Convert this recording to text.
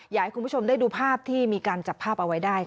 อยากให้คุณผู้ชมได้ดูภาพที่มีการจับภาพเอาไว้ได้ค่ะ